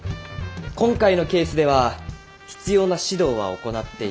今回のケースでは必要な指導は行っていた。